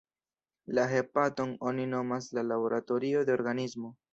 La hepaton oni nomas la laboratorio de organismo.